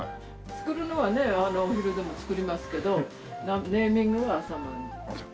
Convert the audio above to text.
作るのはねお昼でも作りますけどネーミングは朝まんじゅう。